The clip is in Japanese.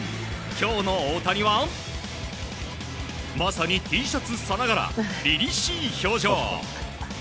今日の大谷はまさにＴシャツさながら凛々しい表情！